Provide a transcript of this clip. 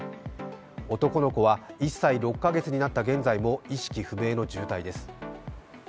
男の子は１歳６か月になった現在も意識不明の重体です。